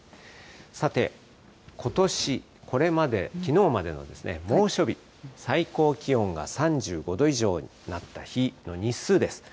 さて、ことしこれまで、きのうまでの猛暑日、最高気温が３５度以上になった日の日数です。